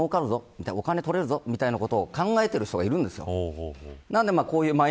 こうやったらお金取れるぞみたいなことを考えている人がいるんですよ。